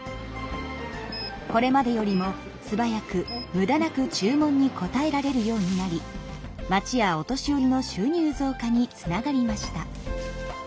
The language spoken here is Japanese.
これまでよりもすばやくむだなく注文に応えられるようになり町やお年寄りの収入増加につながりました。